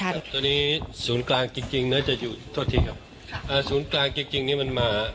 ครับตัวนี้ศูนย์กลางจริงจริงเนอะจะอยู่โทษทีครับครับอ่าศูนย์กลางจริงจริงจริงนี่มันมา